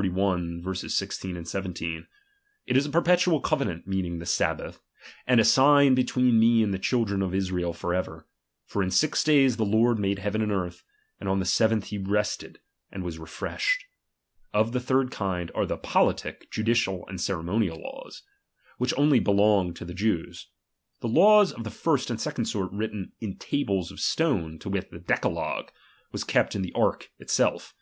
16 17) : Jt is a perpetual covenant, ing the Sahhath), and a sign betweeti me and tkildren of Israel for ever ; for in six days Lord made heaven and earth, and on the \tk day he rested, and was refreshed. Of the ■d kind are the politie, judicial, Bud ceremonial laws ; which only belonged to the Jews. Tlie laws of the first and second sort written in tables of stojie, to wit, the decalogue, was kept in the ■ arh itself.